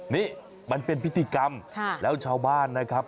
นี่มันเป็นพิธีกรรมแล้วชาวบ้านนะครับ